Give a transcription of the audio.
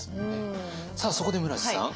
さあそこで村治さん。